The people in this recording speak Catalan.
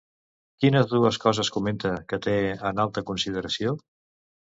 Quines dues coses comenta que té en alta consideració?